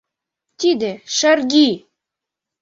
Тиде шаргӱ!